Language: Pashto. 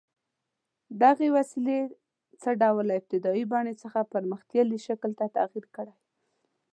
دغې وسیلې څه ډول له ابتدايي بڼې څخه پرمختللي شکل ته تغییر کړی؟